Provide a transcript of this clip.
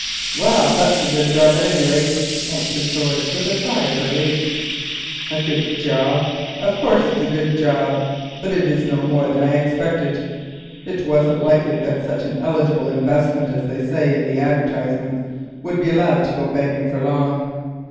"Well that's a good job at any rate," answered George with a sigh of relief. "A good job? Of course it's a good job, but it is no more than I expected. It wasn't likely that such an eligible investment, as they say in the advertisements, would be allowed to go begging for long.